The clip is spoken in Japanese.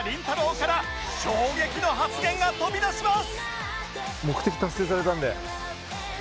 から衝撃の発言が飛び出します